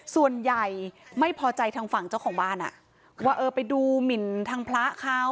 ส่วนใหญ่ไม่พอใจทางฝั่งเจ้าของบ้านว่าเออไปดูหมินทางพระเขา